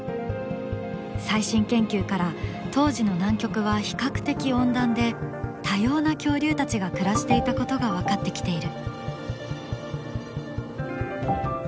最新研究から当時の南極は比較的温暖で多様な恐竜たちが暮らしていたことが分かってきている。